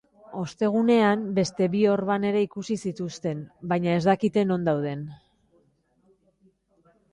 Ostegunean beste bi orban ere ikusi zituzten, baina ez dakite non dauden.